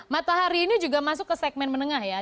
matahari ini juga masuk ke segmen menengah ya